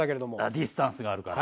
ディスタンスがあるから。